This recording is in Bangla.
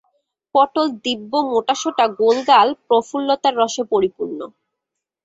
পটল দিব্য মোটাসোটা গোলগাল, প্রফুল্লতার রসে পরিপূর্ণ।